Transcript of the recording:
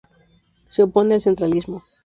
Se opone al centralismo.